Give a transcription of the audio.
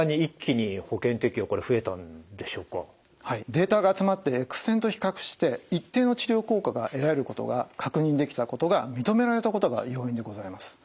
データが集まってＸ線と比較して一定の治療効果が得られることが確認できたことが認められたことが要因でございます。